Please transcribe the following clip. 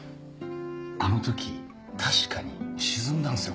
あの時確かに沈んだんですよ